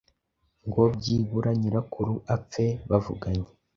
ngo byibura nyirakuru apfe bavuganye